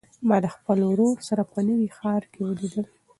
ما د خپل ورور سره په نوي ښار کې ولیدل.